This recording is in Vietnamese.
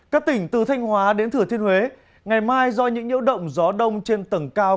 các tỉnh từ thanh hóa đến thừa thiên huế ngày mai do những nhiễu động gió đông trên tầng cao